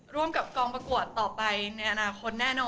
ร่วมกับกองประกวดต่อไปในอนาคตแน่นอน